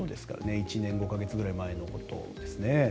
１年５か月ぐらい前のことです。